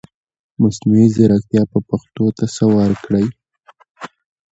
مصنوعي ځرکتيا به پښتو ته سه ورکړٸ